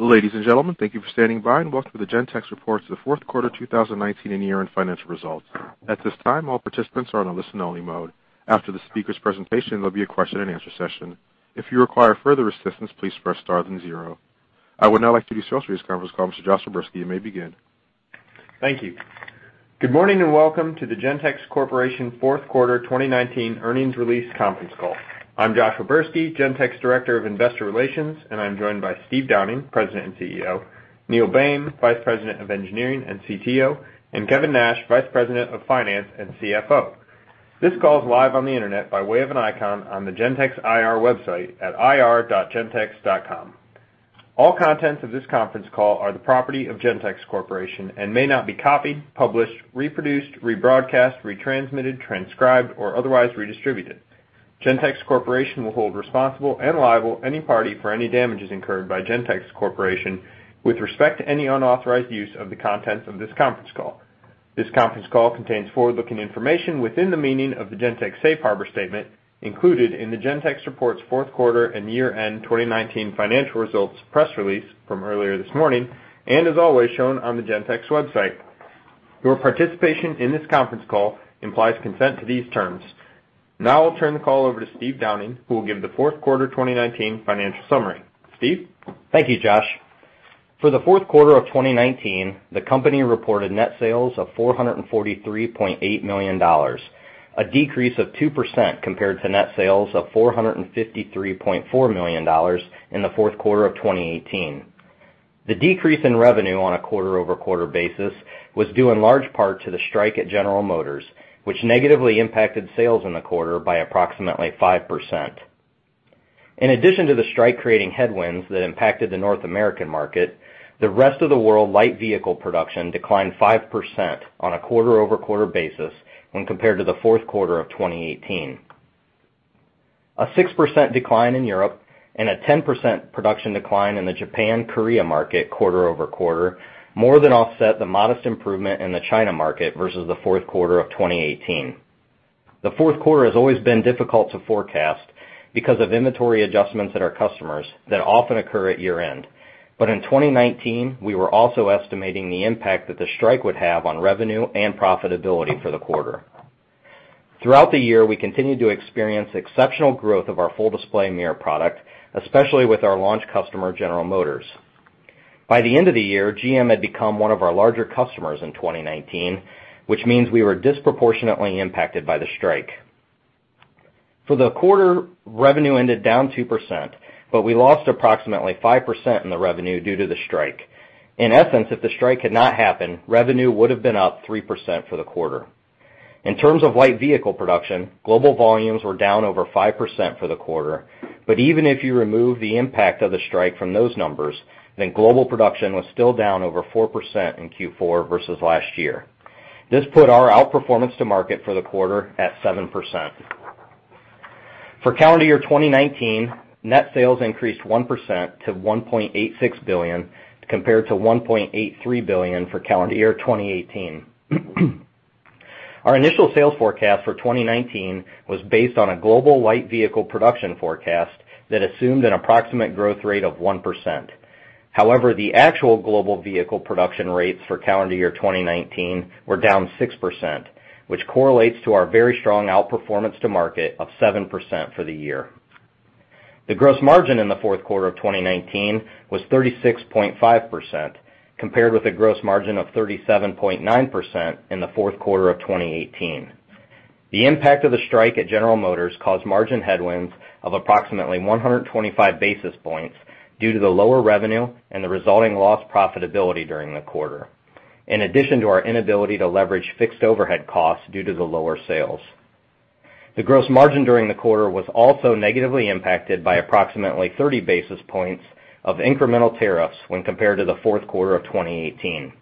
Ladies and gentlemen, thank you for standing by, and welcome to the Gentex report to the fourth quarter 2019 and year-end financial results. At this time, all participants are on listen only mode. After the speaker's presentation, there'll be a question and answer session. If you require further assistance, please press star then zero. I would now like to introduce this conference call, Mr. Josh O'Berski, you may begin. Thank you. Good morning, and welcome to the Gentex Corporation fourth quarter 2019 earnings release conference call. I'm Josh O'Berski, Gentex, Director of Investor Relations, and I'm joined by Steve Downing, President and CEO, Neil Boehm, Vice President of Engineering and CTO, and Kevin Nash, Vice President of Finance and CFO. This call is live on the internet by way of an icon on the Gentex IR website at ir.gentex.com. All contents of this conference call are the property of Gentex Corporation and may not be copied, published, reproduced, rebroadcast, retransmitted, transcribed, or otherwise redistributed. Gentex Corporation will hold responsible and liable any party for any damages incurred by Gentex Corporation with respect to any unauthorized use of the contents of this conference call. This conference call contains forward-looking information within the meaning of the Gentex safe harbor statement included in the Gentex report's fourth quarter and year-end 2019 financial results press release from earlier this morning, and as always, shown on the Gentex website. Your participation in this conference call implies consent to these terms. Now I'll turn the call over to Steve Downing, who will give the fourth quarter 2019 financial summary. Steve? Thank you, Josh. For the fourth quarter of 2019, the company reported net sales of $443.8 million, a decrease of 2% compared to net sales of $453.4 million in the fourth quarter of 2018. The decrease in revenue on a quarter-over-quarter basis was due in large part to the strike at General Motors, which negatively impacted sales in the quarter by approximately 5%. In addition to the strike creating headwinds that impacted the North American market, the rest of the world light vehicle production declined 5% on a quarter-over-quarter basis when compared to the fourth quarter of 2018. A 6% decline in Europe and a 10% production decline in the Japan/Korea market quarter-over-quarter more than offset the modest improvement in the China market versus the fourth quarter of 2018. The fourth quarter has always been difficult to forecast because of inventory adjustments at our customers that often occur at year-end. In 2019, we were also estimating the impact that the strike would have on revenue and profitability for the quarter. Throughout the year, we continued to experience exceptional growth of our Full Display Mirror product, especially with our launch customer, General Motors. By the end of the year, GM had become one of our larger customers in 2019, which means we were disproportionately impacted by the strike. For the quarter, revenue ended down 2%, but we lost approximately 5% in the revenue due to the strike. In essence, if the strike had not happened, revenue would've been up 3% for the quarter. In terms of light vehicle production, global volumes were down over 5% for the quarter, but even if you remove the impact of the strike from those numbers, then global production was still down over 4% in Q4 versus last year. This put our outperformance to market for the quarter at 7%. For calendar year 2019, net sales increased 1% to $1.86 billion compared to $1.83 billion for calendar year 2018. Our initial sales forecast for 2019 was based on a global light vehicle production forecast that assumed an approximate growth rate of 1%. The actual global vehicle production rates for calendar year 2019 were down 6%, which correlates to our very strong outperformance to market of 7% for the year. The gross margin in the fourth quarter of 2019 was 36.5%, compared with a gross margin of 37.9% in the fourth quarter of 2018. The impact of the strike at General Motors caused margin headwinds of approximately 125 basis points due to the lower revenue and the resulting loss profitability during the quarter, in addition to our inability to leverage fixed overhead costs due to the lower sales. The gross margin during the quarter was also negatively impacted by approximately 30 basis points of incremental tariffs when compared to the fourth quarter of 2018.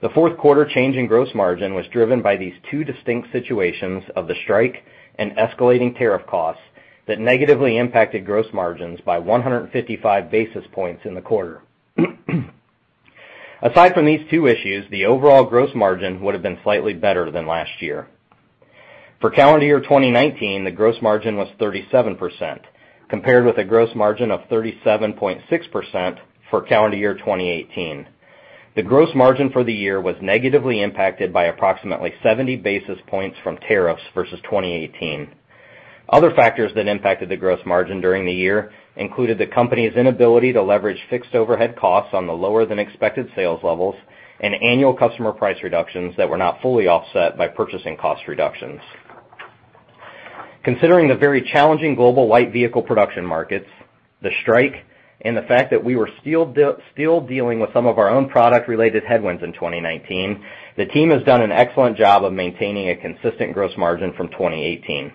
The fourth quarter change in gross margin was driven by these two distinct situations of the strike and escalating tariff costs that negatively impacted gross margins by 155 basis points in the quarter. Aside from these two issues, the overall gross margin would've been slightly better than last year. For calendar year 2019, the gross margin was 37%, compared with a gross margin of 37.6% for calendar year 2018. The gross margin for the year was negatively impacted by approximately 70 basis points from tariffs versus 2018. Other factors that impacted the gross margin during the year included the company's inability to leverage fixed overhead costs on the lower than expected sales levels and annual customer price reductions that were not fully offset by purchasing cost reductions. Considering the very challenging global light vehicle production markets, the strike, and the fact that we were still dealing with some of our own product-related headwinds in 2019, the team has done an excellent job of maintaining a consistent gross margin from 2018.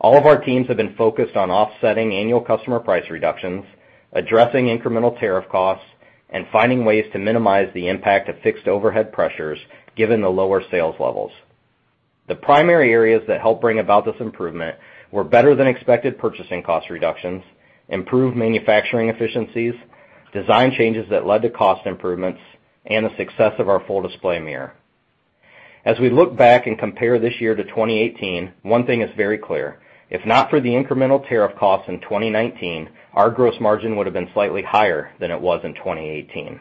All of our teams have been focused on offsetting annual customer price reductions, addressing incremental tariff costs, and finding ways to minimize the impact of fixed overhead pressures given the lower sales levels. The primary areas that help bring about this improvement were better than expected purchasing cost reductions, improved manufacturing efficiencies, design changes that led to cost improvements, and the success of our Full Display Mirror. As we look back and compare this year to 2018, one thing is very clear. If not for the incremental tariff costs in 2019, our gross margin would've been slightly higher than it was in 2018.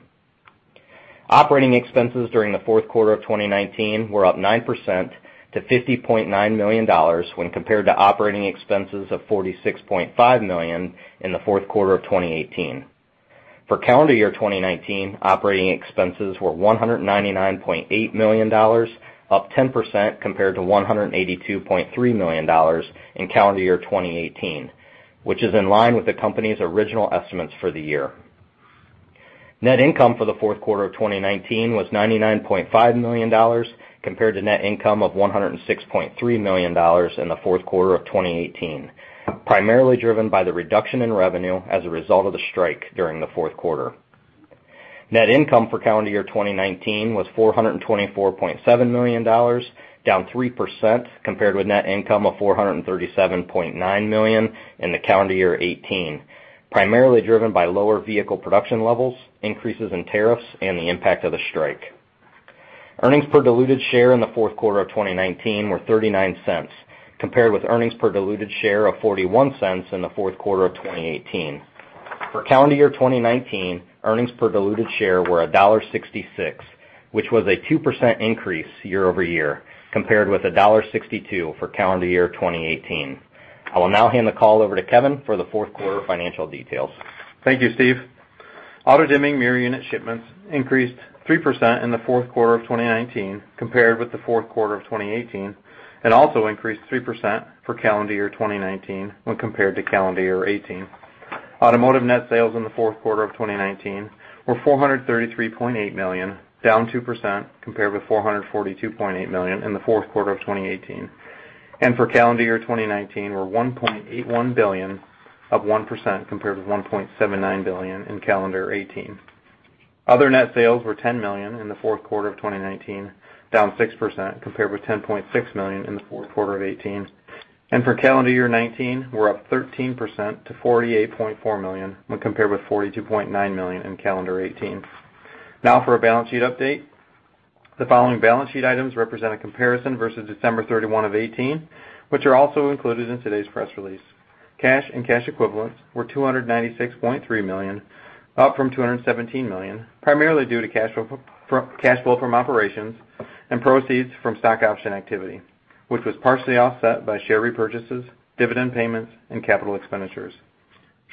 Operating expenses during the fourth quarter of 2019 were up 9% to $50.9 million when compared to operating expenses of $46.5 million in the fourth quarter of 2018. For calendar year 2019, operating expenses were $199.8 million, up 10% compared to $182.3 million in calendar year 2018, which is in line with the company's original estimates for the year. Net income for the fourth quarter of 2019 was $99.5 million, compared to net income of $106.3 million in the fourth quarter of 2018, primarily driven by the reduction in revenue as a result of the strike during the fourth quarter. Net income for calendar year 2019 was $424.7 million, down 3% compared with net income of $437.9 million in the calendar year 2018, primarily driven by lower vehicle production levels, increases in tariffs, and the impact of the strike. Earnings per diluted share in the fourth quarter of 2019 were $0.39, compared with earnings per diluted share of $0.41 in the fourth quarter of 2018. For calendar year 2019, earnings per diluted share were $1.66, which was a 2% increase year-over-year, compared with $1.62 for calendar year 2018. I will now hand the call over to Kevin for the fourth quarter financial details. Thank you, Steve. Auto-dimming mirror unit shipments increased 3% in the fourth quarter of 2019 compared with the fourth quarter of 2018, and also increased 3% for calendar year 2019 when compared to calendar year 2018. Automotive net sales in the fourth quarter of 2019 were $433.8 million, down 2% compared with $442.8 million in the fourth quarter of 2018. For calendar year 2019 were $1.81 billion, up 1% compared with $1.79 billion in calendar 2018. Other net sales were $10 million in the fourth quarter of 2019, down 6% compared with $10.6 million in the fourth quarter of 2018. For calendar year 2019, we're up 13% to $48.4 million when compared with $42.9 million in calendar 2018. Now for our balance sheet update. The following balance sheet items represent a comparison versus December 31 of 2018, which are also included in today's press release. Cash and cash equivalents were $296.3 million, up from $217 million, primarily due to cash flow from operations and proceeds from stock option activity, which was partially offset by share repurchases, dividend payments and capital expenditures.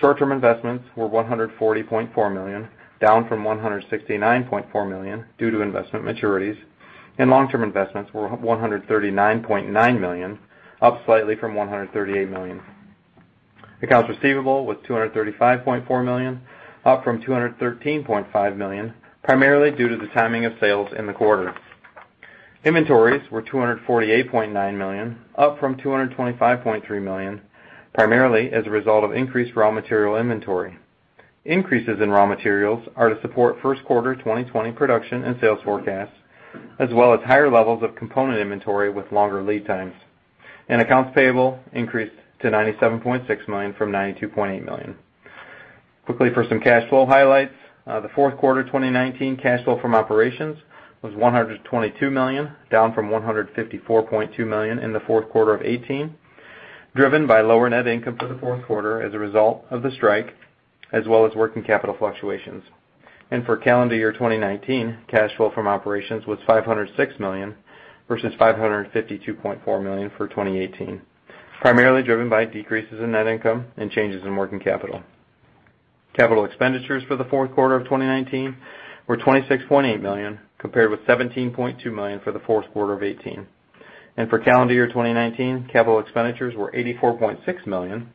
Short-term investments were $140.4 million, down from $169.4 million due to investment maturities, and long-term investments were $139.9 million, up slightly from $138 million. Accounts receivable was $235.4 million, up from $213.5 million, primarily due to the timing of sales in the quarter. Inventories were $248.9 million, up from $225.3 million, primarily as a result of increased raw material inventory. Increases in raw materials are to support first quarter 2020 production and sales forecasts, as well as higher levels of component inventory with longer lead times. Accounts payable increased to $97.6 million from $92.8 million. Quickly for some cash flow highlights. The fourth quarter 2019 cash flow from operations was $122 million, down from $154.2 million in the fourth quarter of 2018, driven by lower net income for the fourth quarter as a result of the strike, as well as working capital fluctuations. For calendar year 2019, cash flow from operations was $506 million versus $552.4 million for 2018, primarily driven by decreases in net income and changes in working capital. Capital expenditures for the fourth quarter of 2019 were $26.8 million, compared with $17.2 million for the fourth quarter of 2018. For calendar year 2019, capital expenditures were $84.6 million,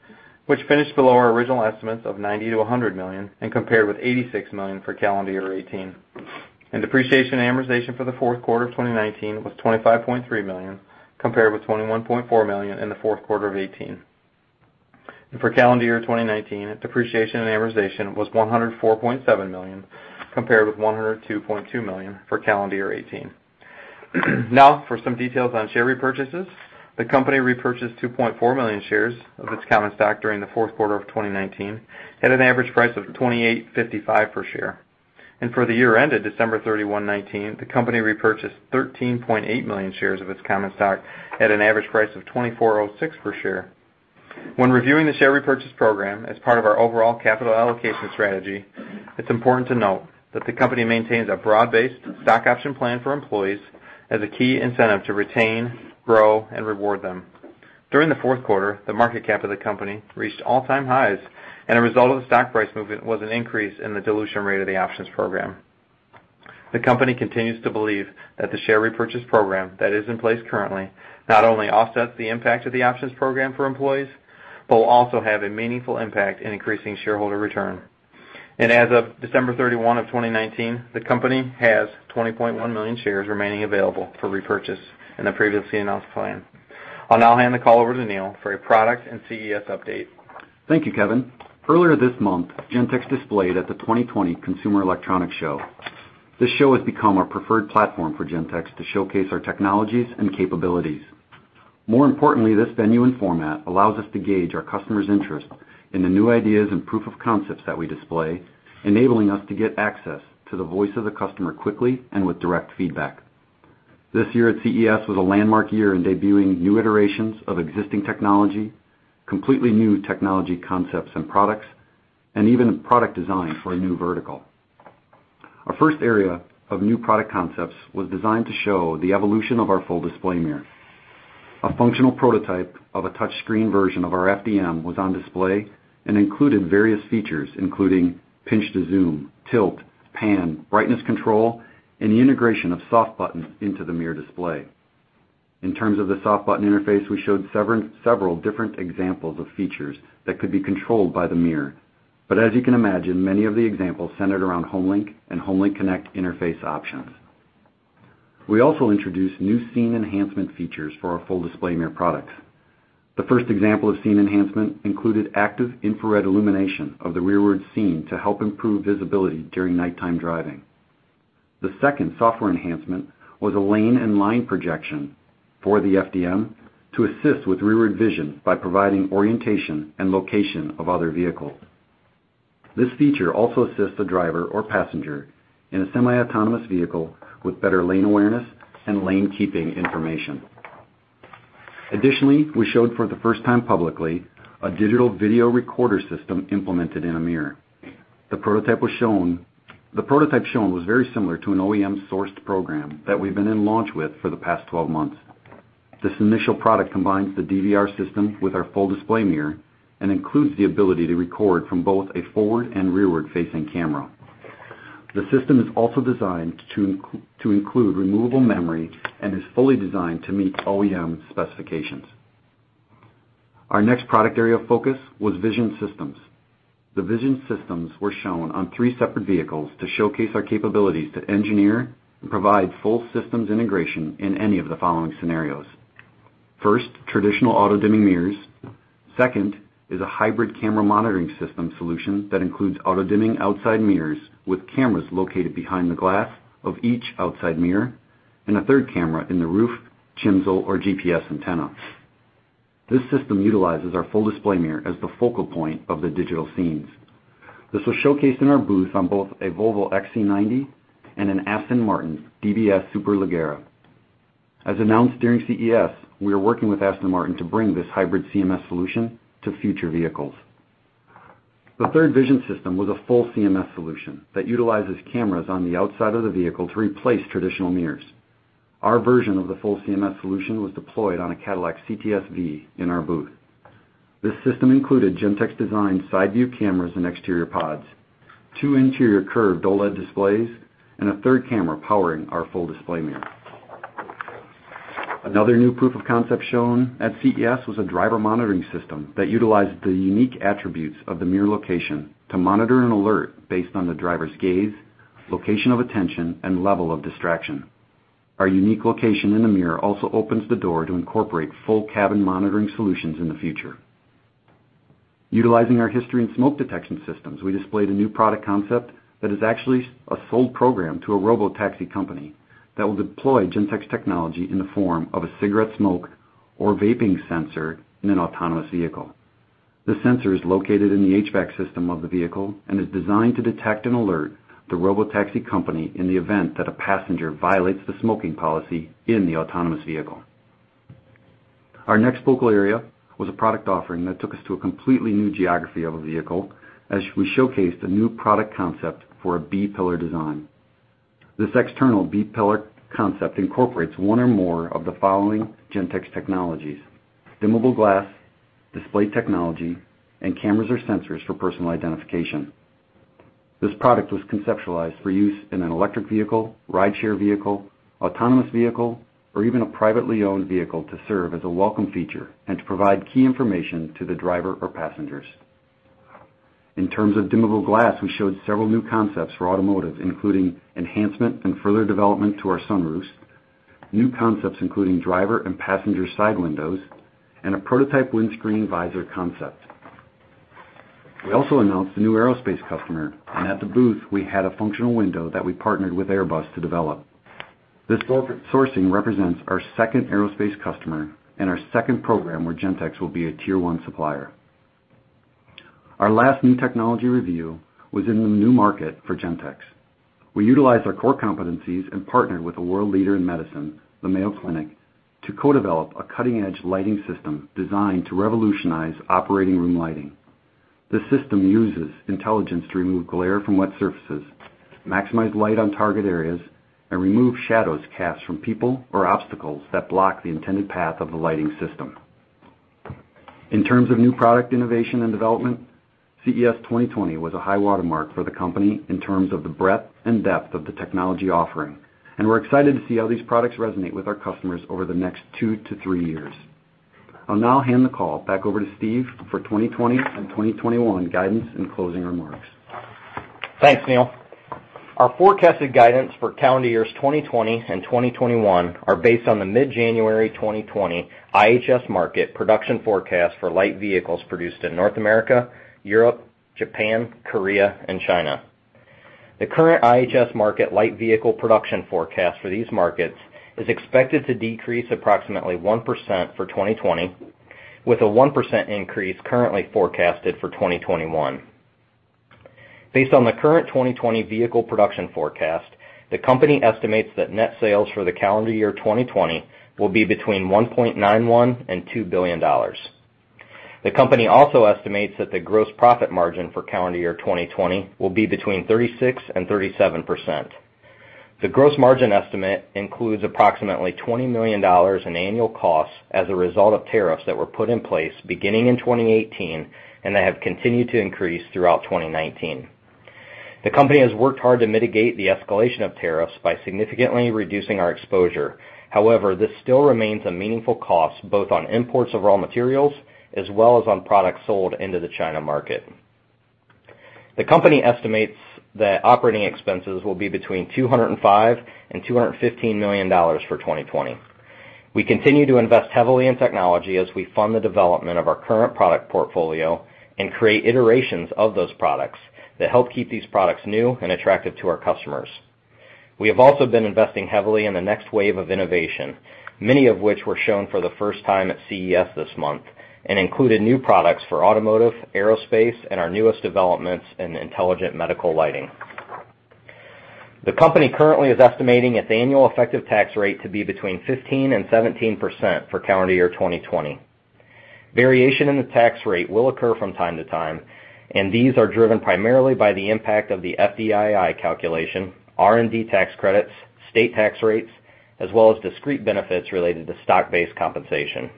which finished below our original estimates of $90 million-$100 million and compared with $86 million for calendar year 2018. Depreciation and amortization for the fourth quarter of 2019 was $25.3 million, compared with $21.4 million in the fourth quarter of 2018. For calendar year 2019, depreciation and amortization was $104.7 million, compared with $102.2 million for calendar year 2018. Now for some details on share repurchases. The company repurchased 2.4 million shares of its common stock during the fourth quarter of 2019 at an average price of $28.55 per share. For the year ended December 31, 2019, the company repurchased 13.8 million shares of its common stock at an average price of $24.06 per share. When reviewing the share repurchase program as part of our overall capital allocation strategy, it's important to note that the company maintains a broad-based stock option plan for employees as a key incentive to retain, grow, and reward them. During the fourth quarter, the market cap of the company reached all-time highs, and a result of the stock price movement was an increase in the dilution rate of the options program. The company continues to believe that the share repurchase program that is in place currently not only offsets the impact of the options program for employees, but will also have a meaningful impact in increasing shareholder return. As of December 31 of 2019, the company has 20.1 million shares remaining available for repurchase in the previously announced plan. I'll now hand the call over to Neil for a product and CES update. Thank you, Kevin. Earlier this month, Gentex displayed at the 2020 Consumer Electronics Show. This show has become our preferred platform for Gentex to showcase our technologies and capabilities. More importantly, this venue and format allows us to gauge our customers' interest in the new ideas and proof of concepts that we display, enabling us to get access to the voice of the customer quickly and with direct feedback. This year at CES was a landmark year in debuting new iterations of existing technology, completely new technology concepts and products, and even product design for a new vertical. Our first area of new product concepts was designed to show the evolution of our Full Display Mirror. A functional prototype of a touchscreen version of our FDM was on display and included various features, including pinch to zoom, tilt, pan, brightness control, and the integration of soft buttons into the mirror display. In terms of the soft button interface, we showed several different examples of features that could be controlled by the mirror. As you can imagine, many of the examples centered around HomeLink and HomeLink Connect interface options. We also introduced new scene enhancement features for our Full Display Mirror products. The first example of scene enhancement included active infrared illumination of the rearward scene to help improve visibility during nighttime driving. The second software enhancement was a lane and line projection for the FDM to assist with rearward vision by providing orientation and location of other vehicles. This feature also assists the driver or passenger in a semi-autonomous vehicle with better lane awareness and lane-keeping information. We showed for the first time publicly a digital video recorder system implemented in a mirror. The prototype shown was very similar to an OEM-sourced program that we've been in launch with for the past 12 months. This initial product combines the DVR system with our Full Display Mirror and includes the ability to record from both a forward and rearward-facing camera. The system is also designed to include removable memory and is fully designed to meet OEM specifications. Our next product area of focus was vision systems. The vision systems were shown on three separate vehicles to showcase our capabilities to engineer and provide full systems integration in any of the following scenarios. First, traditional auto-dimming mirrors. Second is a hybrid camera monitoring system solution that includes auto-dimming outside mirrors with cameras located behind the glass of each outside mirror, and a third camera in the roof, CHMSL, or GPS antenna. This system utilizes our Full Display Mirror as the focal point of the digital scenes. This was showcased in our booth on both a Volvo XC90 and an Aston Martin DBS Superleggera. As announced during CES, we are working with Aston Martin to bring this hybrid CMS solution to future vehicles. The third vision system was a full CMS solution that utilizes cameras on the outside of the vehicle to replace traditional mirrors. Our version of the full CMS solution was deployed on a Cadillac CTS-V in our booth. This system included Gentex-designed side view cameras and exterior pods, two interior curved OLED displays, and a third camera powering our Full Display Mirror. Another new proof of concept shown at CES was a driver monitoring system that utilized the unique attributes of the mirror location to monitor an alert based on the driver's gaze, location of attention, and level of distraction. Our unique location in the mirror also opens the door to incorporate full cabin monitoring solutions in the future. Utilizing our history in smoke detection systems, we displayed a new product concept that is actually a sold program to a robotaxi company that will deploy Gentex technology in the form of a cigarette smoke or vaping sensor in an autonomous vehicle. The sensor is located in the HVAC system of the vehicle and is designed to detect and alert the robotaxi company in the event that a passenger violates the smoking policy in the autonomous vehicle. Our next focal area was a product offering that took us to a completely new geography of a vehicle, as we showcased a new product concept for a B-pillar design. This external B-pillar concept incorporates one or more of the following Gentex technologies: dimmable glass, display technology, and cameras or sensors for personal identification. This product was conceptualized for use in an electric vehicle, rideshare vehicle, autonomous vehicle, or even a privately owned vehicle to serve as a welcome feature and to provide key information to the driver or passengers. In terms of dimmable glass, we showed several new concepts for automotive, including enhancement and further development to our sunroofs, new concepts including driver and passenger side windows, and a prototype windscreen visor concept. We also announced a new aerospace customer, and at the booth, we had a functional window that we partnered with Airbus to develop. This sourcing represents our second aerospace customer and our second program where Gentex will be a Tier 1 supplier. Our last new technology review was in the new market for Gentex. We utilized our core competencies and partnered with a world leader in medicine, the Mayo Clinic, to co-develop a cutting-edge lighting system designed to revolutionize operating room lighting. This system uses intelligence to remove glare from wet surfaces, maximize light on target areas, and remove shadows cast from people or obstacles that block the intended path of the lighting system. In terms of new product innovation and development, CES 2020 was a high watermark for the company in terms of the breadth and depth of the technology offering. We're excited to see how these products resonate with our customers over the next two to three years. I'll now hand the call back over to Steve for 2020 and 2021 guidance and closing remarks. Thanks, Neil. Our forecasted guidance for calendar years 2020 and 2021 are based on the mid-January 2020 IHS Markit production forecast for light vehicles produced in North America, Europe, Japan, Korea, and China. The current IHS Markit light vehicle production forecast for these markets is expected to decrease approximately 1% for 2020, with a 1% increase currently forecasted for 2021. Based on the current 2020 vehicle production forecast, the company estimates that net sales for the calendar year 2020 will be between $1.91 billion and $2 billion. The company also estimates that the gross profit margin for calendar year 2020 will be between 36% and 37%. The gross margin estimate includes approximately $20 million in annual costs as a result of tariffs that were put in place beginning in 2018 and that have continued to increase throughout 2019. The company has worked hard to mitigate the escalation of tariffs by significantly reducing our exposure. However, this still remains a meaningful cost, both on imports of raw materials as well as on products sold into the China market. The company estimates that operating expenses will be between $205 million and $215 million for 2020. We continue to invest heavily in technology as we fund the development of our current product portfolio and create iterations of those products that help keep these products new and attractive to our customers. We have also been investing heavily in the next wave of innovation, many of which were shown for the first time at CES this month and included new products for automotive, aerospace, and our newest developments in intelligent medical lighting. The company currently is estimating its annual effective tax rate to be between 15% and 17% for calendar year 2020. Variation in the tax rate will occur from time to time, these are driven primarily by the impact of the FDII calculation, R&D tax credits, state tax rates, as well as discrete benefits related to stock-based compensation.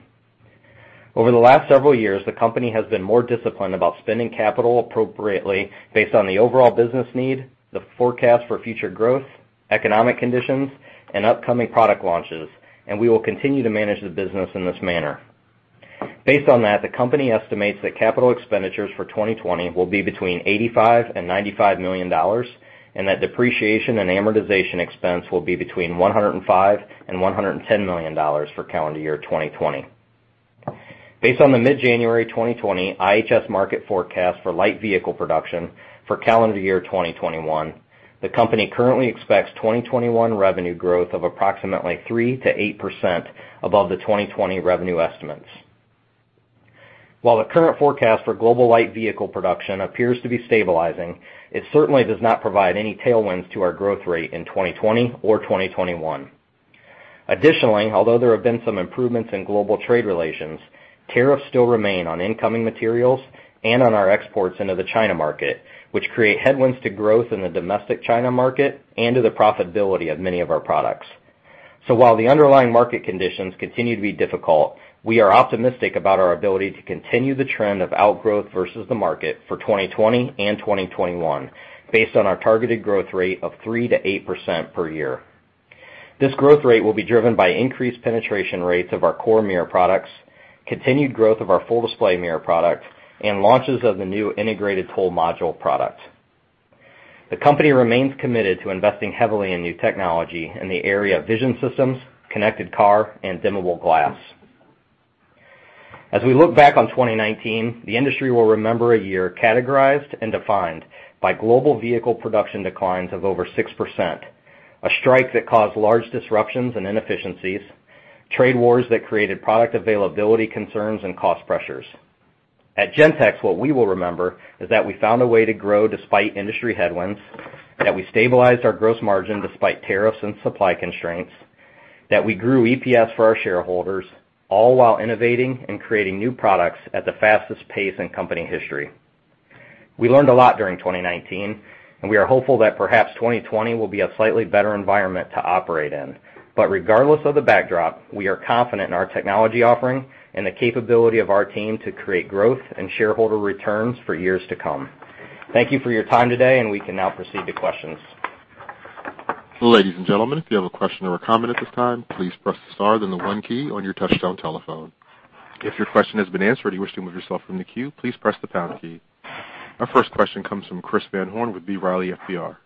Over the last several years, the company has been more disciplined about spending capital appropriately based on the overall business need, the forecast for future growth, economic conditions, and upcoming product launches, we will continue to manage the business in this manner. Based on that, the company estimates that capital expenditures for 2020 will be between $85 million and $95 million, that depreciation and amortization expense will be between $105 million and $110 million for calendar year 2020. Based on the mid-January 2020 IHS Markit forecast for light vehicle production for calendar year 2021, the company currently expects 2021 revenue growth of approximately 3%-8% above the 2020 revenue estimates. While the current forecast for global light vehicle production appears to be stabilizing, it certainly does not provide any tailwinds to our growth rate in 2020 or 2021. Although there have been some improvements in global trade relations, tariffs still remain on incoming materials and on our exports into the China market, which create headwinds to growth in the domestic China market and to the profitability of many of our products. While the underlying market conditions continue to be difficult, we are optimistic about our ability to continue the trend of outgrowth versus the market for 2020 and 2021, based on our targeted growth rate of 3%-8% per year. This growth rate will be driven by increased penetration rates of our core mirror products, continued growth of our Full Display Mirror product, and launches of the new Integrated Toll Module product. The company remains committed to investing heavily in new technology in the area of vision systems, connected car, and dimmable glass. As we look back on 2019, the industry will remember a year categorized and defined by global vehicle production declines of over 6%, a strike that caused large disruptions and inefficiencies, trade wars that created product availability concerns and cost pressures. At Gentex, what we will remember is that we found a way to grow despite industry headwinds, that we stabilized our gross margin despite tariffs and supply constraints, that we grew EPS for our shareholders, all while innovating and creating new products at the fastest pace in company history. We learned a lot during 2019, and we are hopeful that perhaps 2020 will be a slightly better environment to operate in. Regardless of the backdrop, we are confident in our technology offering and the capability of our team to create growth and shareholder returns for years to come. Thank you for your time today, and we can now proceed to questions. Ladies and gentlemen, if you have a question or a comment at this time, please press the star then the one key on your touchtone telephone. If your question has been answered and you wish to remove yourself from the queue, please press the pound key. Our first question comes from Chris Van Horn with B. Riley FBR.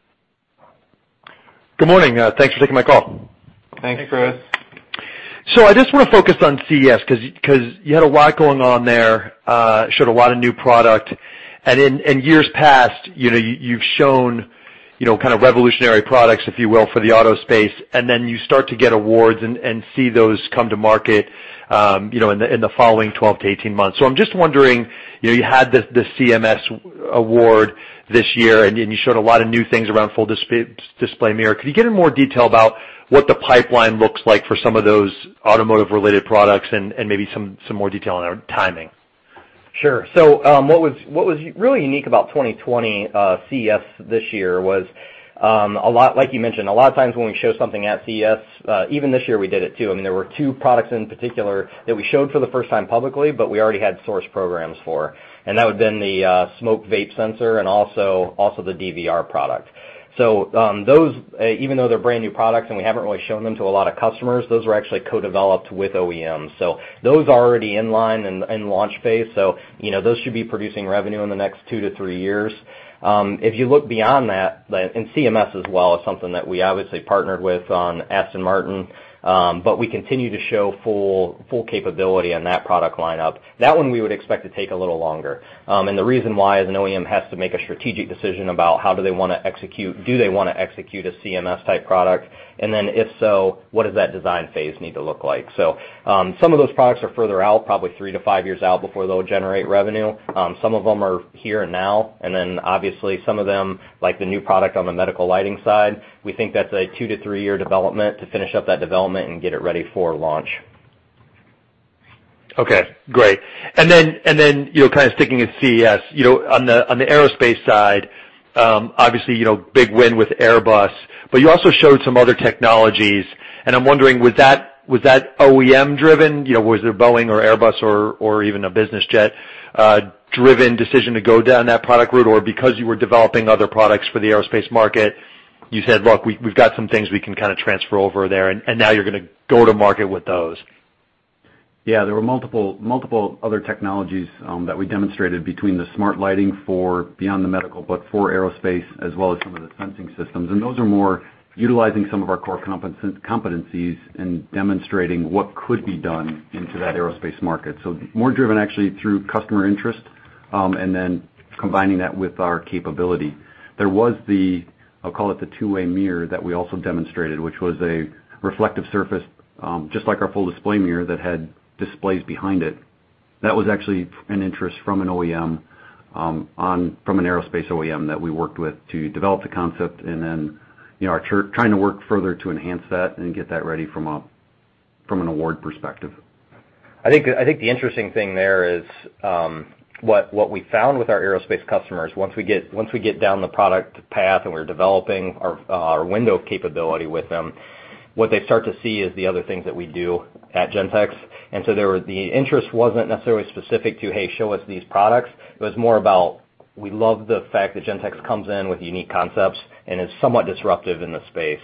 Good morning. Thanks for taking my call. Thanks, Chris. I just want to focus on CES, because you had a lot going on there, showed a lot of new product. In years past, you've shown kind of revolutionary products, if you will, for the auto space, and then you start to get awards and see those come to market in the following 12-18 months. I'm just wondering, you had the CMS award this year, and you showed a lot of new things around Full Display Mirror. Could you get in more detail about what the pipeline looks like for some of those automotive-related products and maybe some more detail on timing? Sure. What was really unique about 2020 CES this year was, like you mentioned, a lot of times when we show something at CES, even this year we did it too, I mean, there were two products in particular that we showed for the first time publicly, but we already had source programs for, and that would have been the smoke vape sensor and also the DVR product. Those, even though they're brand-new products and we haven't really shown them to a lot of customers, those were actually co-developed with OEMs. Those are already in line and in launch phase, those should be producing revenue in the next two to three years. If you look beyond that, and CMS as well is something that we obviously partnered with on Aston Martin, but we continue to show full capability on that product lineup. That one we would expect to take a little longer. The reason why is an OEM has to make a strategic decision about how do they want to execute, do they want to execute a CMS type product, and then if so, what does that design phase need to look like? Some of those products are further out, probably three to five years out before they'll generate revenue. Some of them are here and now, and then obviously some of them, like the new product on the medical lighting side, we think that's a two to three-year development to finish up that development and get it ready for launch. Okay. Great. Sticking at CES, on the aerospace side, obviously, big win with Airbus, but you also showed some other technologies. I'm wondering, was that OEM driven? Was there Boeing or Airbus or even a business jet, driven decision to go down that product route? Because you were developing other products for the aerospace market, you said, "Look, we've got some things we can transfer over there," and now you're going to go to market with those? Yeah, there were multiple other technologies that we demonstrated between the smart lighting for, beyond the medical, but for aerospace, as well as some of the sensing systems. Those are more utilizing some of our core competencies in demonstrating what could be done into that aerospace market. More driven actually through customer interest, and then combining that with our capability. There was the, I'll call it the two-way mirror that we also demonstrated, which was a reflective surface, just like our Full Display Mirror that had displays behind it. That was actually an interest from an aerospace OEM that we worked with to develop the concept and then, trying to work further to enhance that and get that ready from an award perspective. I think the interesting thing there is, what we found with our aerospace customers, once we get down the product path and we're developing our window capability with them, what they start to see is the other things that we do at Gentex. The interest wasn't necessarily specific to, "Hey, show us these products." It was more about, we love the fact that Gentex comes in with unique concepts and is somewhat disruptive in the space.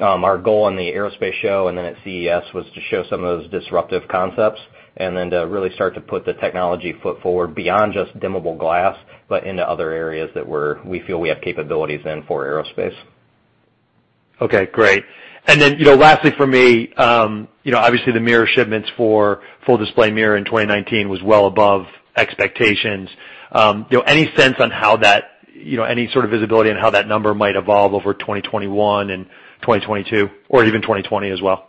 Our goal in the aerospace show and then at CES was to show some of those disruptive concepts and then to really start to put the technology foot forward beyond just dimmable glass, but into other areas that we feel we have capabilities in for aerospace. Okay, great. Lastly from me, obviously the mirror shipments for Full Display Mirror in 2019 was well above expectations. Any sort of visibility on how that number might evolve over 2021 and 2022 or even 2020 as well?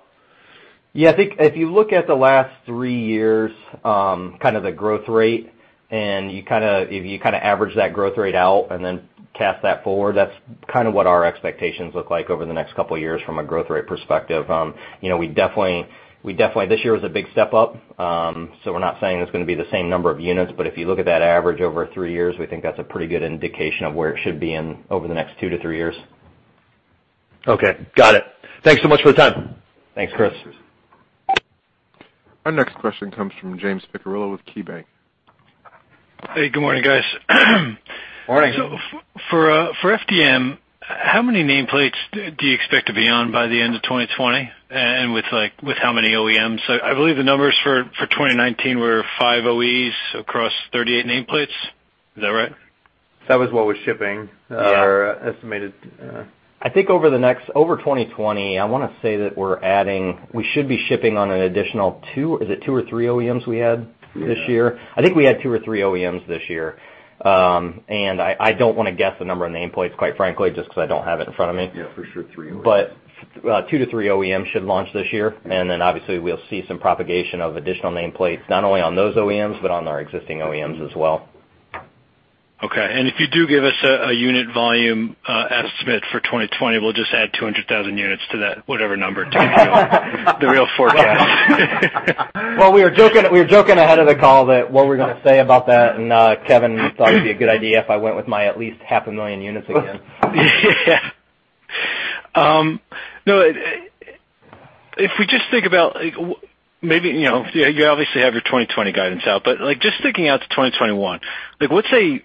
I think if you look at the last three years, the growth rate, and if you average that growth rate out and then cast that forward, that's what our expectations look like over the next couple of years from a growth rate perspective. This year was a big step up, we're not saying it's going to be the same number of units, if you look at that average over three years, we think that's a pretty good indication of where it should be over the next two to three years. Okay. Got it. Thanks so much for the time. Thanks, Chris. Thanks. Our next question comes from James Picariello with KeyBanc. Hey, good morning, guys. Morning. For FDM, how many nameplates do you expect to be on by the end of 2020, and with how many OEMs? I believe the numbers for 2019 were five OEs across 38 nameplates. Is that right? That was what was. Yeah our estimated. I think over 2020, I want to say that we should be shipping on an additional two. Is it two or three OEMs we had this year? Yeah. I think we had two or three OEMs this year. I don't want to guess the number of nameplates, quite frankly, just because I don't have it in front of me. Yeah, for sure three OEMs. Two to three OEMs should launch this year. Obviously we'll see some propagation of additional nameplates, not only on those OEMs, but on our existing OEMs as well. Okay. If you do give us a unit volume estimate for 2020, we'll just add 200,000 units to that, whatever number to give you the real forecast. Well, we were joking ahead of the call that what we're going to say about that, and Kevin thought it'd be a good idea if I went with my at least half a million units again. Yeah. If we just think about like, maybe, you obviously have your 2020 guidance out, but just thinking out to 2021, what's a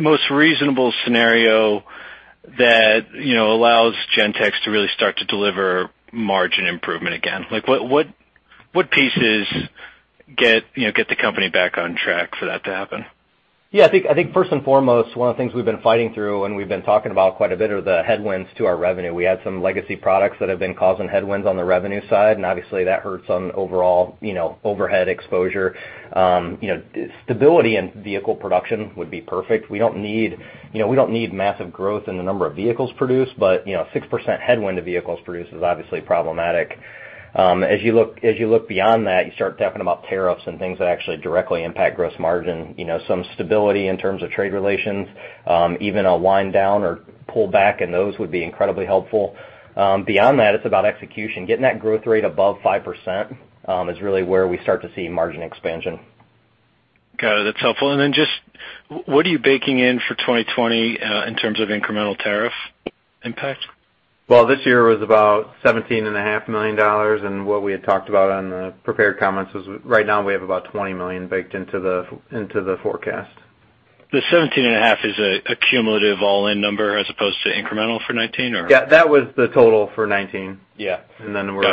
most reasonable scenario that allows Gentex to really start to deliver margin improvement again? What pieces get the company back on track for that to happen? Yeah, I think first and foremost, one of the things we've been fighting through and we've been talking about quite a bit are the headwinds to our revenue. We had some legacy products that have been causing headwinds on the revenue side, and obviously that hurts on overall overhead exposure. Stability in vehicle production would be perfect. We don't need massive growth in the number of vehicles produced, but 6% headwind to vehicles produced is obviously problematic. As you look beyond that, you start talking about tariffs and things that actually directly impact gross margin. Some stability in terms of trade relations, even a wind down or pull back in those would be incredibly helpful. Beyond that, it's about execution. Getting that growth rate above 5%, is really where we start to see margin expansion. Got it. That's helpful. Just, what are you baking in for 2020, in terms of incremental tariff impact? Well, this year was about $17.5 million, and what we had talked about on the prepared comments was right now we have about $20 million baked into the forecast. The 17.5 is a cumulative all-in number as opposed to incremental for 2019. Yeah, that was the total for 2019. Yes. We're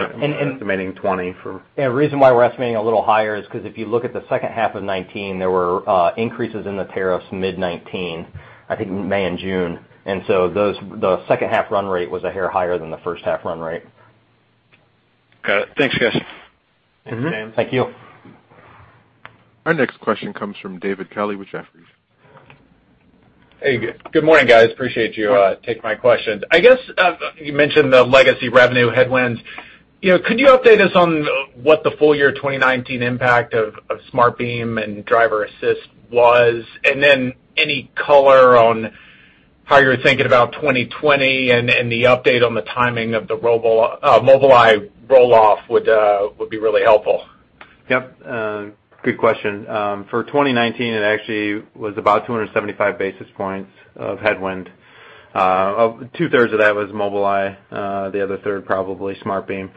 estimating 20. The reason why we're estimating a little higher is because if you look at the second half of 2019, there were increases in the tariffs mid-2019, I think May and June. The second half run rate was a hair higher than the first half run rate. Got it. Thanks, guys. Thank you. Our next question comes from David Kelley with Jefferies. Hey, good morning, guys. Appreciate you taking my questions. I guess, you mentioned the legacy revenue headwinds. Could you update us on what the full year 2019 impact of SmartBeam and Driver Assist was? Any color on how you're thinking about 2020 and the update on the timing of the Mobileye roll-off would be really helpful. Yep. Good question. For 2019, it actually was about 275 basis points of headwind. Two-thirds of that was Mobileye, the other third probably SmartBeam.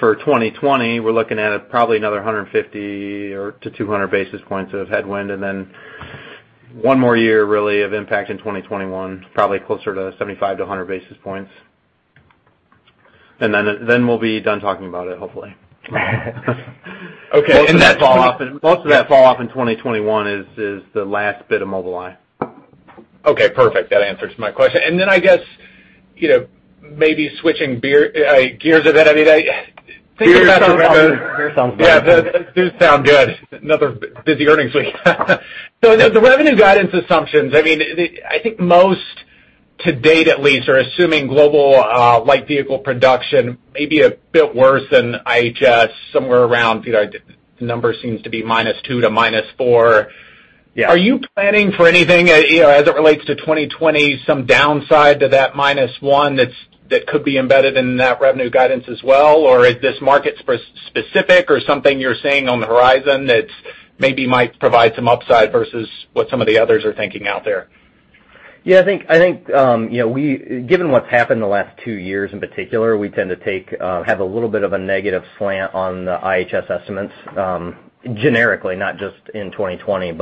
For 2020, we're looking at probably another 150-200 basis points of headwind, then one more year really of impact in 2021, probably closer to 75-100 basis points. Then we'll be done talking about it, hopefully. Okay. that fall off- Most of that fall off in 2021 is the last bit of Mobileye. Okay, perfect. That answers my question. Then I guess, maybe switching gears a bit, I mean. Beer sounds better. Yeah, does sound good. Another busy earnings week. The revenue guidance assumptions, I think most to date at least are assuming global light vehicle production may be a bit worse than IHS somewhere around, the number seems to be -2% to -4%. Yeah. Are you planning for anything as it relates to 2020, some downside to that minus one that could be embedded in that revenue guidance as well? Or is this market specific or something you're seeing on the horizon that maybe might provide some upside versus what some of the others are thinking out there? I think, given what's happened the last two years in particular, we tend to have a little bit of a negative slant on the IHS estimates, generically, not just in 2020.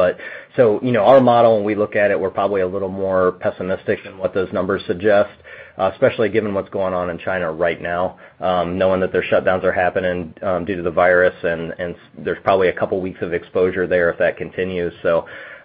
Our model, when we look at it, we're probably a little more pessimistic than what those numbers suggest, especially given what's going on in China right now, knowing that their shutdowns are happening due to the virus and there's probably a couple weeks of exposure there if that continues.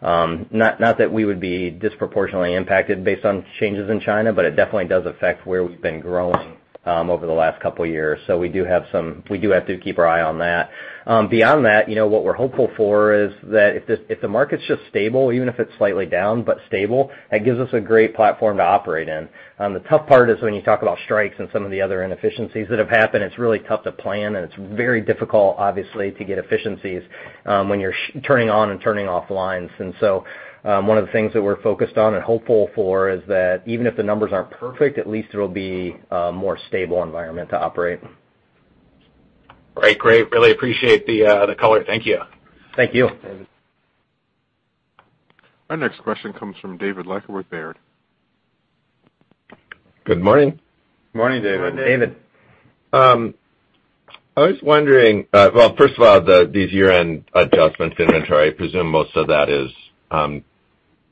Not that we would be disproportionately impacted based on changes in China, but it definitely does affect where we've been growing over the last couple of years. We do have to keep our eye on that. Beyond that, what we're hopeful for is that if the market's just stable, even if it's slightly down, but stable, that gives us a great platform to operate in. The tough part is when you talk about strikes and some of the other inefficiencies that have happened, it's really tough to plan, and it's very difficult, obviously, to get efficiencies when you're turning on and turning off lines. One of the things that we're focused on and hopeful for is that even if the numbers aren't perfect, at least it'll be a more stable environment to operate. Great. Really appreciate the color. Thank you. Thank you. Our next question comes from David Leiker with Baird. Good morning. Morning, David. Morning, David. I was wondering, well, first of all, these year-end adjustments to inventory, I presume most of that is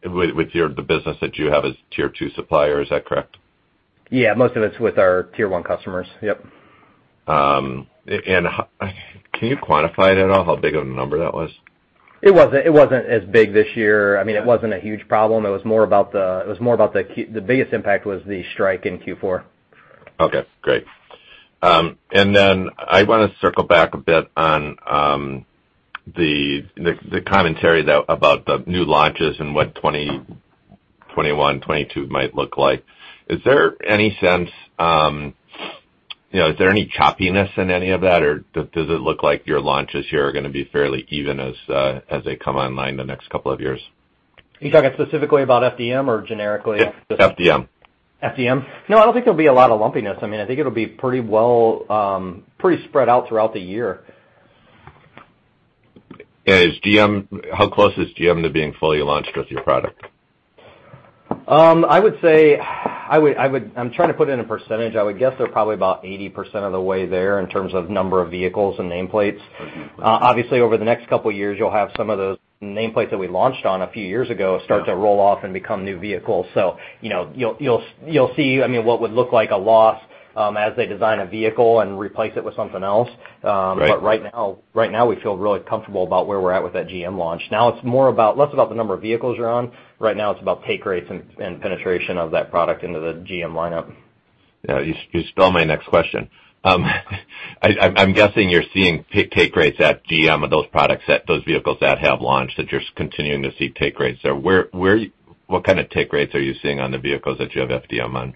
with the business that you have as Tier 2 supplier. Is that correct? Yeah. Most of it's with our Tier 1 customers. Yep. Can you quantify it at all, how big of a number that was? It wasn't as big this year. It wasn't a huge problem. The biggest impact was the strike in Q4. Okay, great. I want to circle back a bit on the commentary about the new launches and what 2020, 2021, 2022 might look like. Is there any choppiness in any of that, or does it look like your launches here are going to be fairly even as they come online the next couple of years? Are you talking specifically about FDM or generically? FDM. FDM? No, I don't think there'll be a lot of lumpiness. I think it'll be pretty spread out throughout the year. How close is GM to being fully launched with your product? I'm trying to put in a percentage. I would guess they're probably about 80% of the way there in terms of number of vehicles and nameplates. Okay. Obviously, over the next couple of years, you'll have some of those nameplates that we launched on a few years ago start to roll off and become new vehicles. You'll see what would look like a loss as they design a vehicle and replace it with something else. Right. Right now we feel really comfortable about where we're at with that GM launch. Now it's less about the number of vehicles you're on. Right now it's about take rates and penetration of that product into the GM lineup. You stole my next question. I'm guessing you're seeing take rates at GM of those products, those vehicles that have launched, that you're continuing to see take rates there. What kind of take rates are you seeing on the vehicles that you have FDM on?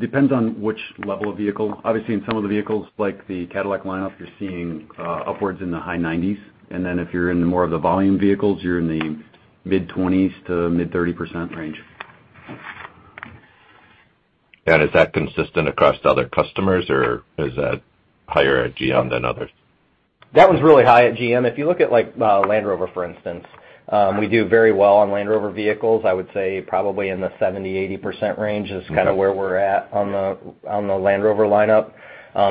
Depends on which level of vehicle. Obviously, in some of the vehicles, like the Cadillac lineup, you're seeing upwards in the high 90%. If you're in more of the volume vehicles, you're in the mid-20% to mid-30% range. Is that consistent across other customers, or is that higher at GM than others? That was really high at GM. If you look at Land Rover, for instance, we do very well on Land Rover vehicles. I would say probably in the 70%-80% range is kind of where we're at on the Land Rover lineup.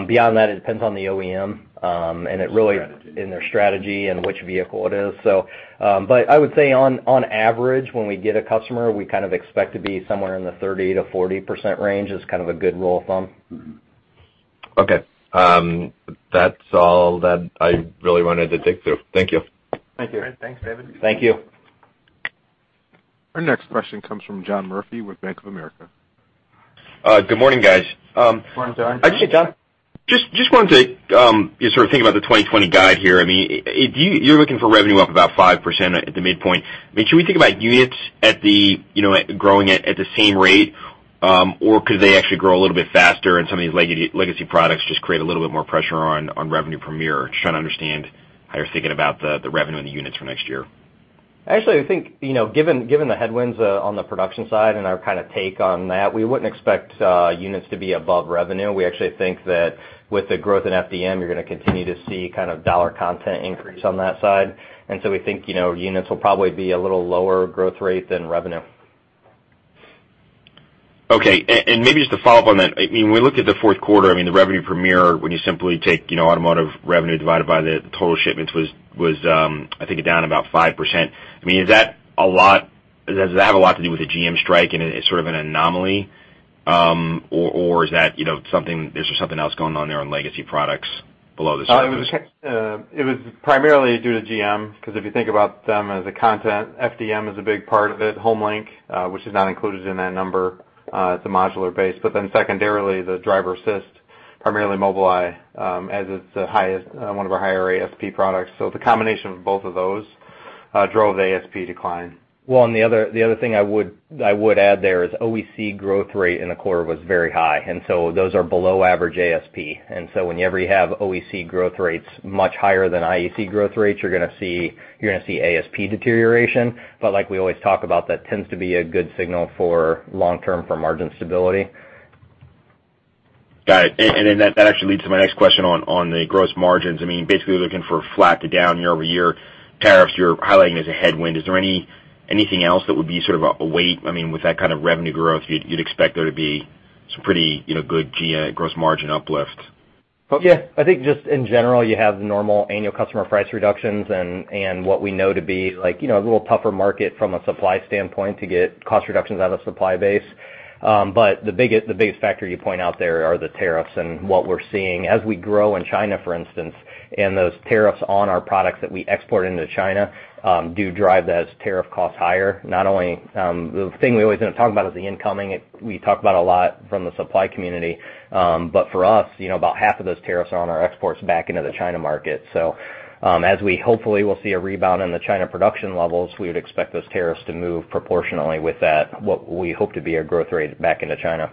Beyond that, it depends on the OEM and it really and their strategy and which vehicle it is. I would say on average, when we get a customer, we kind of expect to be somewhere in the 30%-40% range is kind of a good rule of thumb. Okay. That's all that I really wanted to dig through. Thank you. Thank you. All right. Thanks, David. Thank you. Our next question comes from John Murphy with Bank of America. Good morning, guys. Good morning, John. I just wanted to sort of think about the 2020 guide here. You're looking for revenue up about 5% at the midpoint. Should we think about units growing it at the same rate? Could they actually grow a little bit faster and some of these legacy products just create a little bit more pressure on revenue per mirror? Just trying to understand how you're thinking about the revenue and the units for next year. Actually, I think, given the headwinds on the production side and our kind of take on that, we wouldn't expect units to be above revenue. We actually think that with the growth in FDM, you're going to continue to see kind of dollar content increase on that side. We think units will probably be a little lower growth rate than revenue. Okay, maybe just to follow up on that. When we look at the fourth quarter, the revenue per mirror, when you simply take automotive revenue divided by the total shipments was, I think, down about 5%. Does that have a lot to do with the GM strike and it's sort of an anomaly? Is there something else going on there on legacy products below the surface? It was primarily due to GM, because if you think about them as a content, FDM is a big part of it. HomeLink, which is not included in that number, it's a modular base. Secondarily, the Driver Assist, primarily Mobileye, as it's one of our higher ASP products. The combination of both of those drove the ASP decline. The other thing I would add there is OEC growth rate in the quarter was very high. Those are below average ASP. Whenever you have OEC growth rates much higher than IEC growth rates, you're going to see ASP deterioration. Like we always talk about, that tends to be a good signal for long-term for margin stability. Got it. That actually leads to my next question on the gross margins. Basically, we're looking for flat to down year-over-year. Tariffs you're highlighting as a headwind. Is there anything else that would be sort of a weight? With that kind of revenue growth, you'd expect there to be some pretty good gross margin uplift. Yeah. I think just in general, you have the normal annual customer price reductions and what we know to be a little tougher market from a supply standpoint to get cost reductions out of supply base. The biggest factor you point out there are the tariffs, and what we're seeing as we grow in China, for instance, and those tariffs on our products that we export into China do drive those tariff costs higher. The thing we always don't talk about is the incoming. We talk about a lot from the supply community. For us, about half of those tariffs are on our exports back into the China market. As we hopefully will see a rebound in the China production levels, we would expect those tariffs to move proportionally with that, what we hope to be a growth rate back into China.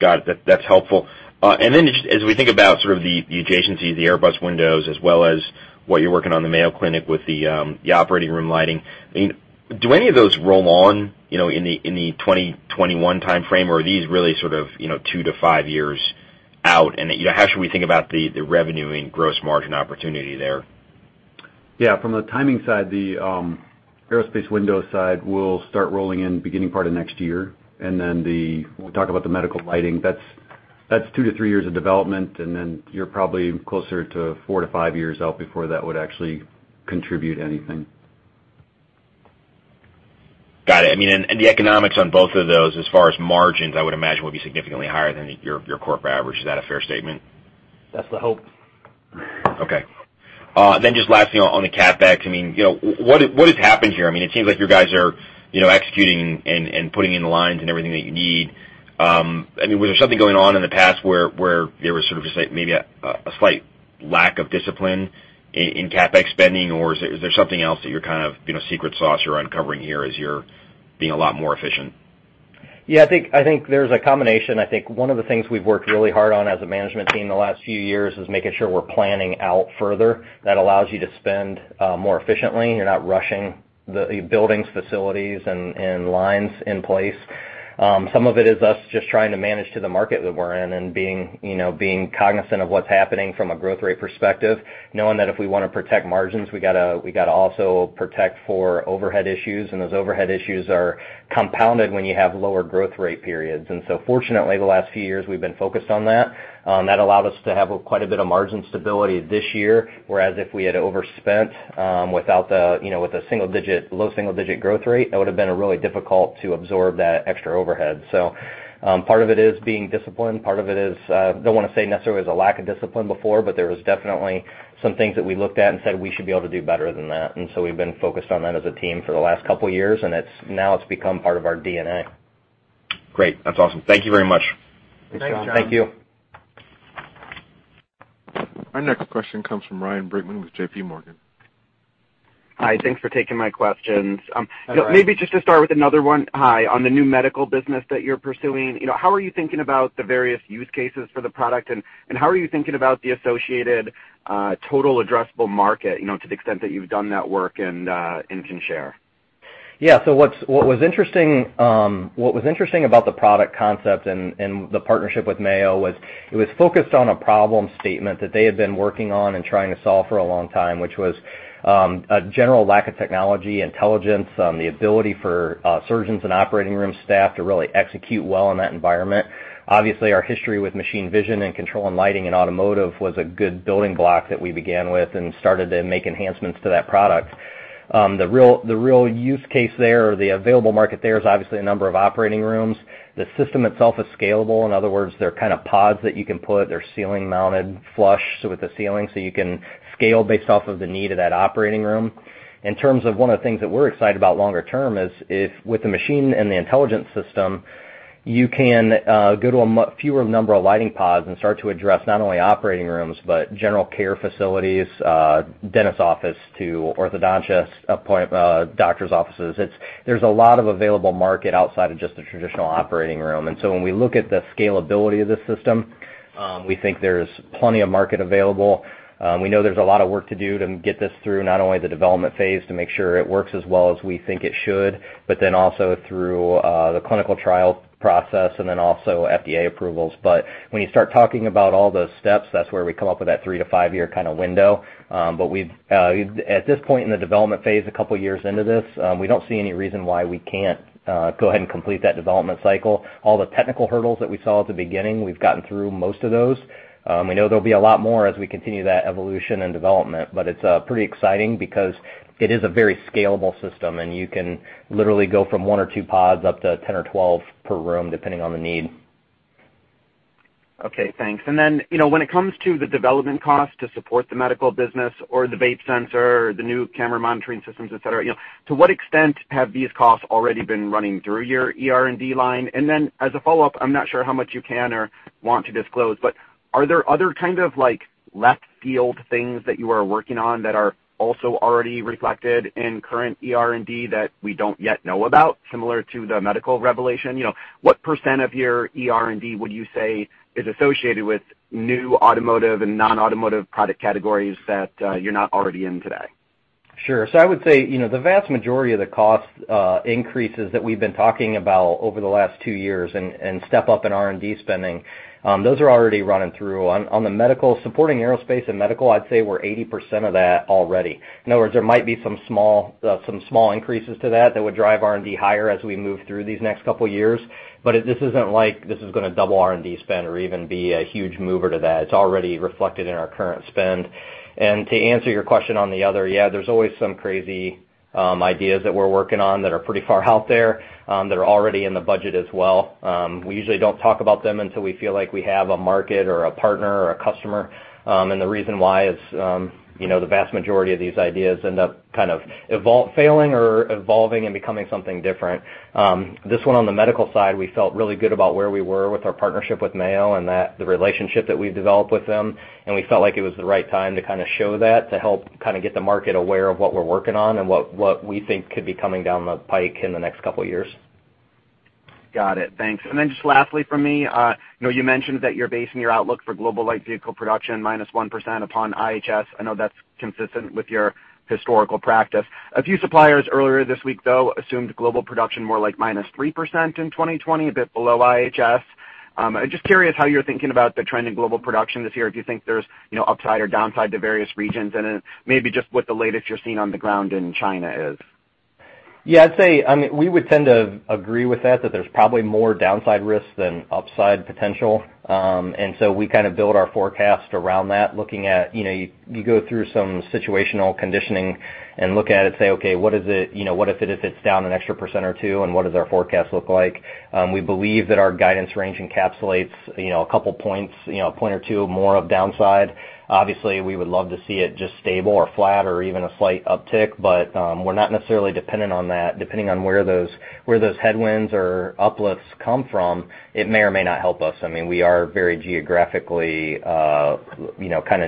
Got it. That's helpful. Then just as we think about sort of the adjacencies, the Airbus windows, as well as what you're working on the Mayo Clinic with the operating room lighting, do any of those roll on in the 2021 timeframe? Or are these really sort of two to five years out? How should we think about the revenue and gross margin opportunity there? Yeah. From the timing side, the aerospace window side will start rolling in beginning part of next year. When we talk about the medical lighting, that's two to three years of development, then you're probably closer to four to five years out before that would actually contribute anything. Got it. The economics on both of those, as far as margins, I would imagine, would be significantly higher than your corporate average. Is that a fair statement? That's the hope. Okay. Just lastly on the CapEx, what has happened here? It seems like you guys are executing and putting in the lines and everything that you need. Was there something going on in the past where there was sort of just maybe a slight lack of discipline in CapEx spending? Is there something else that your kind of secret sauce you're uncovering here as you're being a lot more efficient? Yeah, I think there's a combination. I think one of the things we've worked really hard on as a management team the last few years is making sure we're planning out further. That allows you to spend more efficiently. You're not rushing the buildings, facilities, and lines in place. Some of it is us just trying to manage to the market that we're in and being cognizant of what's happening from a growth rate perspective, knowing that if we want to protect margins, we got to also protect for overhead issues, and those overhead issues are compounded when you have lower growth rate periods. Fortunately, the last few years we've been focused on that. That allowed us to have quite a bit of margin stability this year, whereas if we had overspent with a low single digit growth rate, that would have been really difficult to absorb that extra overhead. Part of it is being disciplined. Part of it is, don't want to say necessarily was a lack of discipline before, but there was definitely some things that we looked at and said we should be able to do better than that. We've been focused on that as a team for the last couple of years, and now it's become part of our DNA. Great. That's awesome. Thank you very much. Thanks, John. Thank you. Our next question comes from Ryan Brinkman with JPMorgan. Hi. Thanks for taking my questions. Hi, Ryan. Maybe just to start with another one, on the new medical business that you're pursuing, how are you thinking about the various use cases for the product, and how are you thinking about the associated total addressable market, to the extent that you've done that work and can share? Yeah. What was interesting about the product concept and the partnership with Mayo was it was focused on a problem statement that they had been working on and trying to solve for a long time, which was a general lack of technology intelligence, the ability for surgeons and operating room staff to really execute well in that environment. Obviously, our history with machine vision and control and lighting in automotive was a good building block that we began with and started to make enhancements to that product. The real use case there, or the available market there, is obviously a number of operating rooms. The system itself is scalable. In other words, they're kind of pods that you can put. They're ceiling-mounted flush with the ceiling, you can scale based off of the need of that operating room. In terms of one of the things that we're excited about longer term is, with the machine and the intelligence system, you can go to a fewer number of lighting pods and start to address not only operating rooms, but general care facilities, dentist office to orthodontist, doctor's offices. There's a lot of available market outside of just the traditional operating room. When we look at the scalability of the system, we think there's plenty of market available. We know there's a lot of work to do to get this through, not only the development phase to make sure it works as well as we think it should, but then also through the clinical trial process and then also FDA approvals. When you start talking about all those steps, that's where we come up with that three to five-year kind of window. At this point in the development phase, a couple of years into this, we don't see any reason why we can't go ahead and complete that development cycle. All the technical hurdles that we saw at the beginning, we've gotten through most of those. We know there'll be a lot more as we continue that evolution and development, but it's pretty exciting because it is a very scalable system, and you can literally go from one or two pods up to 10 or 12 per room, depending on the need. Okay, thanks. When it comes to the development cost to support the medical business or the vape sensor, the new camera monitoring systems, et cetera, to what extent have these costs already been running through your R&D line? As a follow-up, I'm not sure how much you can or want to disclose, but are there other kind of left field things that you are working on that are also already reflected in current R&D that we don't yet know about, similar to the medical revelation? What % of your R&D would you say is associated with new automotive and non-automotive product categories that you're not already in today? Sure. I would say the vast majority of the cost increases that we've been talking about over the last two years and step up in R&D spending, those are already running through. On the medical, supporting aerospace and medical, I'd say we're 80% of that already. In other words, there might be some small increases to that that would drive R&D higher as we move through these next couple of years. This isn't like this is going to double R&D spend or even be a huge mover to that. It's already reflected in our current spend. To answer your question on the other, yeah, there's always some crazy ideas that we're working on that are pretty far out there that are already in the budget as well. We usually don't talk about them until we feel like we have a market or a partner or a customer. The reason why is the vast majority of these ideas end up kind of failing or evolving and becoming something different. This one on the medical side, we felt really good about where we were with our partnership with Mayo and the relationship that we've developed with them, and we felt like it was the right time to kind of show that to help kind of get the market aware of what we're working on and what we think could be coming down the pike in the next couple of years. Got it. Thanks. Just lastly from me, you mentioned that you're basing your outlook for global light vehicle production minus 1% upon IHS. I know that's consistent with your historical practice. A few suppliers earlier this week, though, assumed global production more like minus 3% in 2020, a bit below IHS. I'm just curious how you're thinking about the trend in global production this year, if you think there's upside or downside to various regions, maybe just what the latest you're seeing on the ground in China is. Yeah, I'd say, we would tend to agree with that there's probably more downside risk than upside potential. We kind of build our forecast around that, looking at, you go through some situational conditioning and look at it and say, "Okay, what if it is down an extra percent or 2%, and what does our forecast look like?" We believe that our guidance range encapsulates a couple points, a point or 2 point more of downside. Obviously, we would love to see it just stable or flat or even a slight uptick, but we're not necessarily dependent on that. Depending on where those headwinds or uplifts come from, it may or may not help us. We are very geographically kind of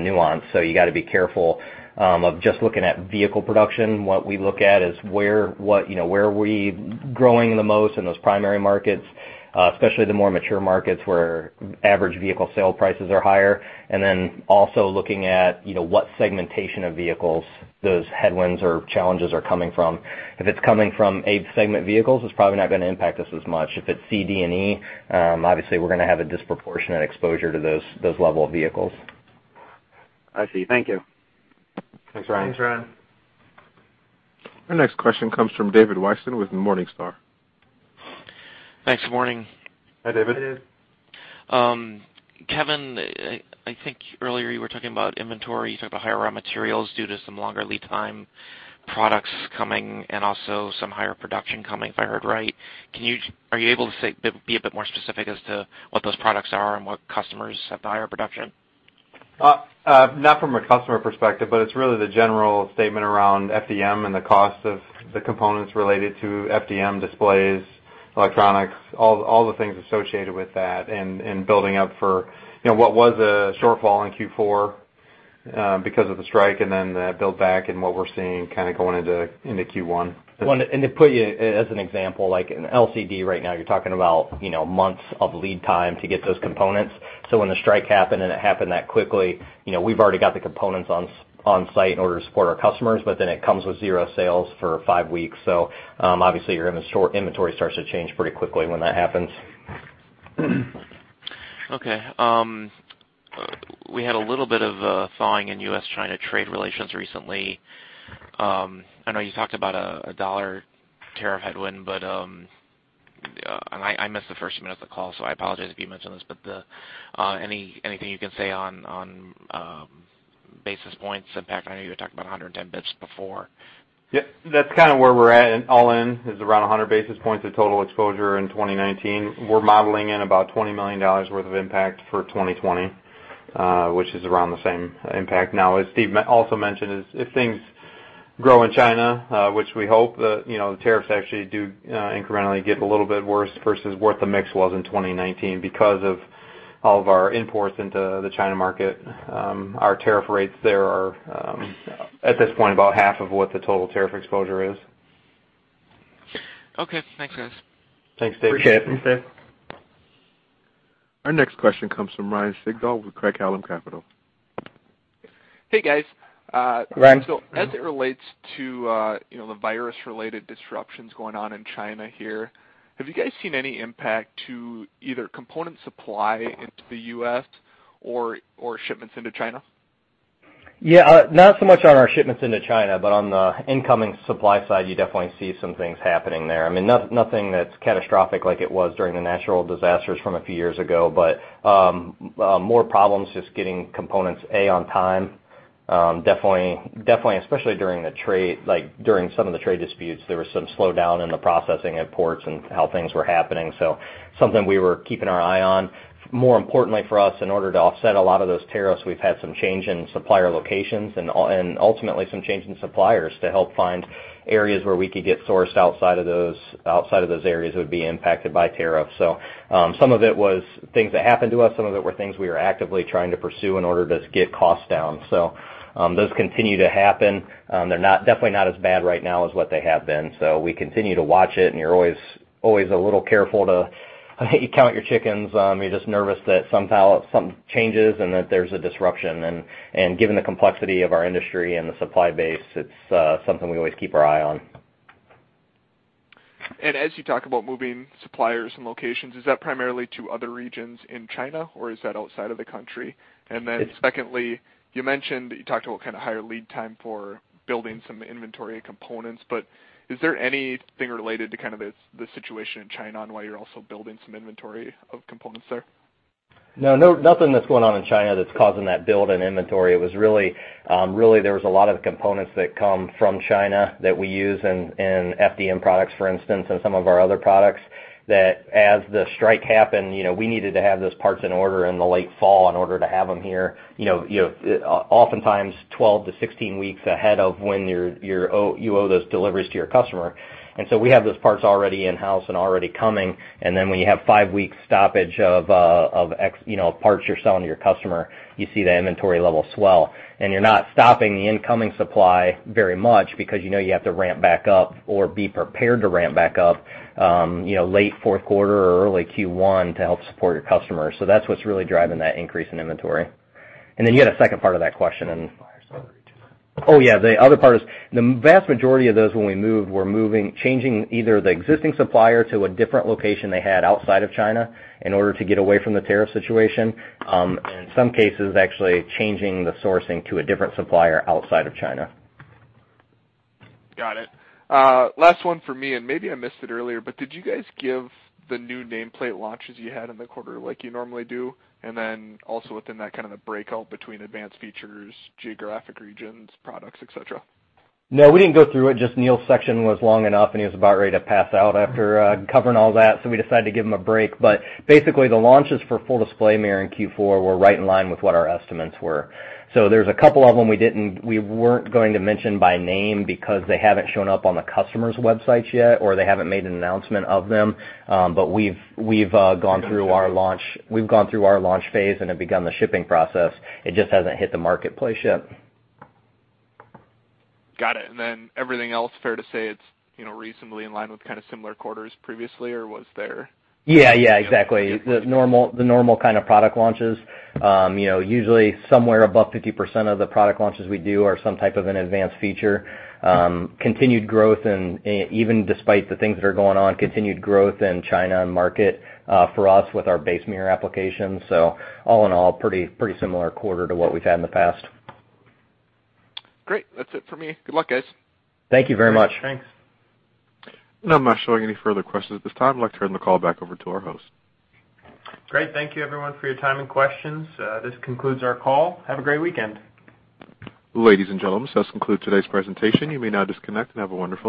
nuanced, so you got to be careful of just looking at vehicle production. What we look at is where are we growing the most in those primary markets, especially the more mature markets where average vehicle sale prices are higher. Also looking at what segmentation of vehicles those headwinds or challenges are coming from. If it's coming from A segment vehicles, it's probably not going to impact us as much. If it's C, D, and E, obviously we're going to have a disproportionate exposure to those level of vehicles. I see. Thank you. Thanks, Ryan. Thanks, Ryan. Our next question comes from David Whiston with Morningstar. Thanks. Morning. Hi, David. Kevin, I think earlier you were talking about inventory. You talked about higher raw materials due to some longer lead time products coming and also some higher production coming, if I heard right. Are you able to be a bit more specific as to what those products are and what customers have the higher production? Not from a customer perspective, but it's really the general statement around FDM and the cost of the components related to FDM displays, electronics, all the things associated with that, and building up for what was a shortfall in Q4 because of the strike and then the build back and what we're seeing kind of going into Q1. To put you as an example, like in LCD right now, you're talking about months of lead time to get those components. When the strike happened, and it happened that quickly, we've already got the components on site in order to support our customers, but then it comes with zero sales for five weeks. Obviously your inventory starts to change pretty quickly when that happens. Okay. We had a little bit of a thawing in U.S.-China trade relations recently. I know you talked about a dollar tariff headwind. I missed the first minute of the call, so I apologize if you mentioned this, but anything you can say on basis points impact? I know you were talking about 110 basis points before. Yep. That's kind of where we're at, all in, is around 100 basis points of total exposure in 2019. We're modeling in about $20 million worth of impact for 2020, which is around the same impact. As Steve also mentioned, if things grow in China, which we hope, the tariffs actually do incrementally get a little bit worse versus what the mix was in 2019. Because of all of our imports into the China market, our tariff rates there are, at this point, about half of what the total tariff exposure is. Okay. Thanks, guys. Thanks, David. Appreciate it. Our next question comes from Ryan Sigdahl with Craig-Hallum Capital. Hey, guys. Ryan. As it relates to the virus-related disruptions going on in China here, have you guys seen any impact to either component supply into the U.S. or shipments into China? Yeah. Not so much on our shipments into China, but on the incoming supply side, you definitely see some things happening there. Nothing that's catastrophic like it was during the natural disasters from a few years ago. More problems just getting components, A, on time. Definitely, especially during some of the trade disputes, there was some slowdown in the processing at ports and how things were happening. Something we were keeping our eye on. More importantly for us, in order to offset a lot of those tariffs, we've had some change in supplier locations and ultimately some change in suppliers to help find areas where we could get sourced outside of those areas that would be impacted by tariffs. Some of it was things that happened to us, some of it were things we were actively trying to pursue in order to get costs down. Those continue to happen. They're definitely not as bad right now as what they have been. We continue to watch it, and you're always a little careful to count your chickens. You're just nervous that some changes and that there's a disruption. Given the complexity of our industry and the supply base, it's something we always keep our eye on. As you talk about moving suppliers and locations, is that primarily to other regions in China, or is that outside of the country? Secondly, you mentioned that you talked about kind of higher lead time for building some inventory components, but is there anything related to kind of the situation in China on why you're also building some inventory of components there? No, nothing that's going on in China that's causing that build in inventory. It was really there was a lot of the components that come from China that we use in FDM products, for instance, and some of our other products, that as the strike happened, we needed to have those parts in order in the late fall in order to have them here oftentimes 12-16 weeks ahead of when you owe those deliveries to your customer. We have those parts already in-house and already coming, and then when you have five weeks stoppage of parts you're selling to your customer, you see the inventory level swell. You're not stopping the incoming supply very much because you know you have to ramp back up or be prepared to ramp back up late fourth quarter or early Q1 to help support your customers. That's what's really driving that increase in inventory. You had a second part of that question. Supplier Yeah. The other part is the vast majority of those when we moved were changing either the existing supplier to a different location they had outside of China in order to get away from the tariff situation. In some cases, actually changing the sourcing to a different supplier outside of China. Got it. Last one for me, and maybe I missed it earlier, but did you guys give the new nameplate launches you had in the quarter like you normally do? Then also within that kind of the breakout between advanced features, geographic regions, products, et cetera? No, we didn't go through it, just Neil's section was long enough, and he was about ready to pass out after covering all that, so we decided to give him a break. Basically, the launches for Full Display Mirror in Q4 were right in line with what our estimates were. There's a couple of them we weren't going to mention by name because they haven't shown up on the customers' websites yet, or they haven't made an announcement of them. We've gone through our launch phase and have begun the shipping process. It just hasn't hit the marketplace yet. Got it. Everything else, fair to say it's reasonably in line with kind of similar quarters previously, or? Yeah, exactly. The normal kind of product launches usually somewhere above 50% of the product launches we do are some type of an advanced feature. Continued growth, and even despite the things that are going on, continued growth in China market for us with our base mirror applications. All in all, pretty similar quarter to what we've had in the past. Great. That's it for me. Good luck, guys. Thank you very much. Thanks. I'm not showing any further questions at this time. I'd like to turn the call back over to our host. Great. Thank you everyone for your time and questions. This concludes our call. Have a great weekend. Ladies and gentlemen, this concludes today's presentation. You may now disconnect and have a wonderful day.